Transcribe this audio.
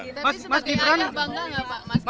tapi sebagai ayah bangga gak pak